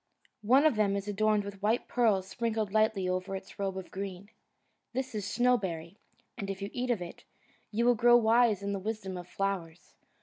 One of them is adorned with white pearls sprinkled lightly over its robe of green. This is Snowberry, and if you eat of it, you will grow wise in the wisdom of flowers.